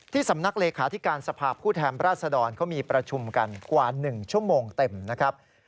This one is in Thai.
สำนักเลขาธิการสภาพผู้แทนราชดรเขามีประชุมกันกว่า๑ชั่วโมงเต็มนะครับ